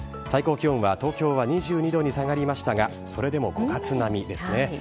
最高気温は東京は２２度に下がりましたが、それでも５月並みですね。